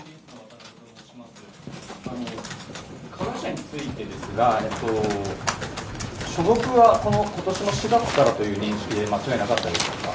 加害者についてですが、所属はことしの４月からという認識で間違いなかったですか。